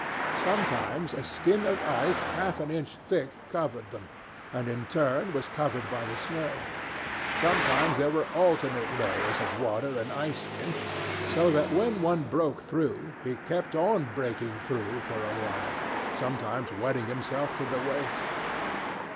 Sometimes a skin of ice half an inch thick covered them, and in turn was covered by the snow. Sometimes there were alternate layers of water and ice skin, so that when one broke through he kept on breaking through for a while, sometimes wetting himself to the waist.